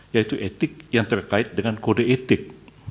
yaitu etik yang terkait dengan kode etik